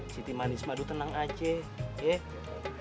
siti manis madu tenang aja ya